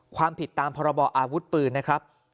ความผิดตามพรบออาวุธปืนนะครับ